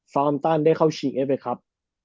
อมตันได้เข้าชิงเอฟเลยครับ